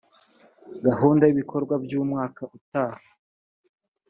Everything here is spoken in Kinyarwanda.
gahunda y ibikorwa by umwaka utaha